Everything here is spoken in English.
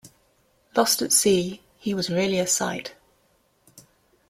Lost at sea he was really a sight.